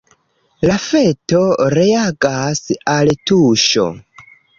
La feto reagas al tuŝo.